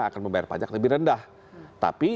akan membayar pajak lebih rendah tapi